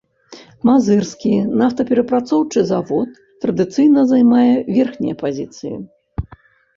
Мазырскі нафтаперапрацоўчы завод традыцыйна займае верхнія пазіцыі.